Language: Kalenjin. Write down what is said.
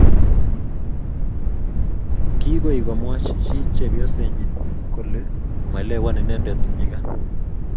kikoi komwach chepyosenyi kole maelewan inendet nyikan